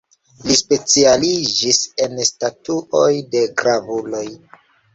Li specialiĝis en statuoj de gravuloj.